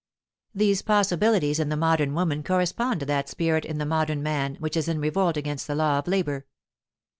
These possibilities in the modern woman correspond to that spirit in the modern man which is in revolt against the law of labour.